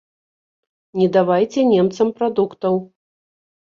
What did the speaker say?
Не давайце немцам прадуктаў!